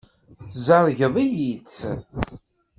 Tzergeḍ-iyi-tt.